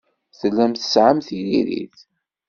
Tellamt tesɛamt tiririt?